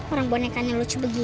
orang bonekanya lucu begini